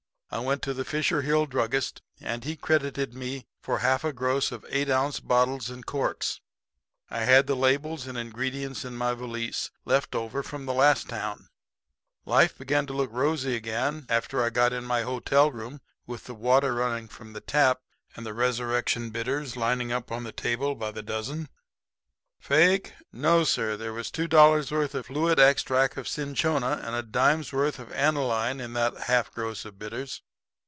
I went to the Fisher Hill druggist and he credited me for half a gross of eight ounce bottles and corks. I had the labels and ingredients in my valise, left over from the last town. Life began to look rosy again after I got in my hotel room with the water running from the tap, and the Resurrection Bitters lining up on the table by the dozen. [Illustration: "Life began to look rosy again..."] "Fake? No, sir. There was two dollars' worth of fluid extract of cinchona and a dime's worth of aniline in that half gross of bitters.